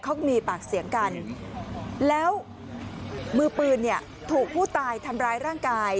เขาก็มีปากเสียงกันแล้วมือปืนเนี่ยถูกผู้ตายทำร้ายร่างกาย